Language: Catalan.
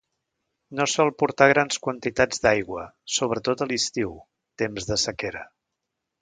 No sol portar grans quantitats d'aigua, sobretot a l'estiu, temps de sequera.